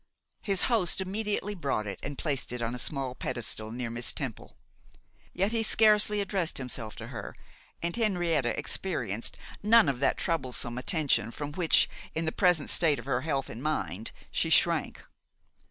His host immediately brought it and placed it on a small pedestal near Miss Temple. Yet he scarcely addressed himself to her, and Henrietta experienced none of that troublesome attention from which, in the present state of her health and mind, she shrank.